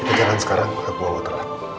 kejalan sekarang aku bawa telat